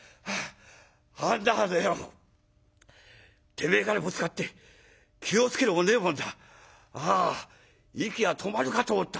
てめえからぶつかって『気を付けろ』もねえもんだ。ああ息が止まるかと思った。